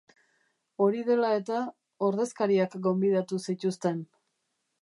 Hori dela eta, ordezkariak gonbidatu zituzten.